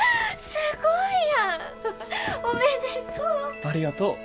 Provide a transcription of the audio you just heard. ありがとう！